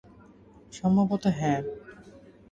সম্ভবত, হ্যাঁ।